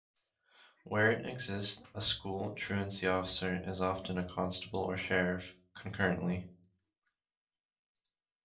Where it exists, a school truancy officer is often a constable or sheriff, concurrently.